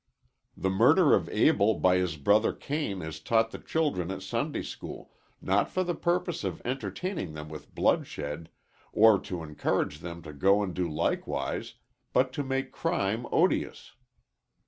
The murder of Abel by his brother Cain is taught the children at Sunday school, not for the purpose of entertaining them with bloodshed, or to encourage them to go and do likewise, but to make crime odious.